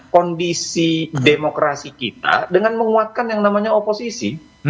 kondisi demokrasi kita dengan menguatkan yang namanya oposisi